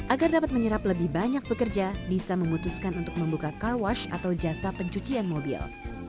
agar dapat menyerap lebih banyak pekerja bisa memutuskan untuk membuka car wash atau jasa pencucian mobil